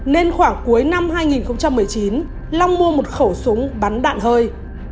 nên khoảng cuối năm hai nghìn một mươi chín long mua một khẩu súng bắn đạn hơi